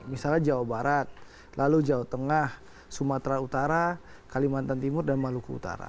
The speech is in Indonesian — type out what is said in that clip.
misalnya jawa barat lalu jawa tengah sumatera utara kalimantan timur dan maluku utara